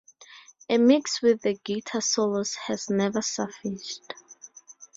A mix with the guitar solos has never surfaced.